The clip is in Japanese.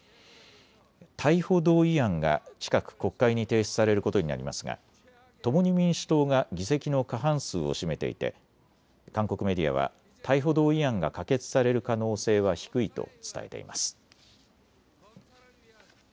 逮捕同意案が近く国会に提出されることになりますが共に民主党が議席の過半数を占めていて韓国メディアは逮捕同意案が可決される可能性は低いと伝えています。